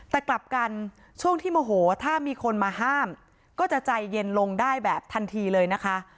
แต่กลับกันช่วงที่โมโหถ้ามีคนมาห้ามก็จะใจเย็นลงได้แบบทันทีเลยนะคะ